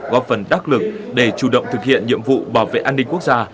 góp phần đắc lực để chủ động thực hiện nhiệm vụ bảo vệ an ninh quốc gia